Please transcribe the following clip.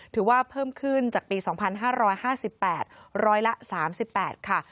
ถือว่าเพิ่มขึ้นจากปี๒๕๕๘ร้อยละ๓๘ค่ะ